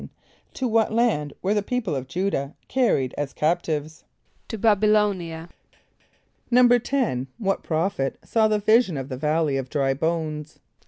= To what land were the people of J[=u]´dah carried as captives? =To B[)a]b [)y] l[=o]´n[)i] a.= =10.= What prophet saw the vision of the valley of dry bones?